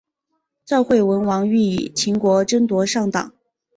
赵惠文王欲与秦国争夺上党。